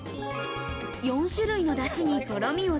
４種類のだしに、とろみを